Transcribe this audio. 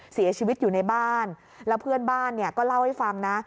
เสียชีวิตอยู่ในบ้านแล้วเพื่อนบ้านเนี่ยก็เล่าให้ฟังนะ